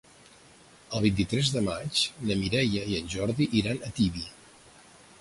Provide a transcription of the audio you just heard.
El vint-i-tres de maig na Mireia i en Jordi iran a Tibi.